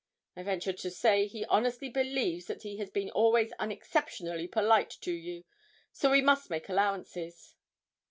I venture to say he honestly believes that he has been always unexceptionably polite to you, so we must make allowances.'